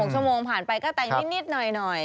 ๖ชั่วโมงผ่านไปก็แต่งนิดหน่อย